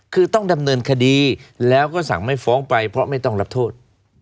คือต้องดำเนินคดีแล้วก็สั่งไม่ฟ้องไปเพราะไม่ต้องรับโทษ